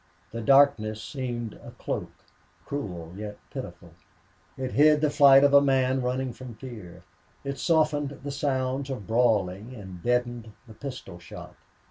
The darkness seemed a cloak, cruel yet pitiful. It hid the flight of a man running from fear; it softened the sounds of brawling and deadened the pistol shot.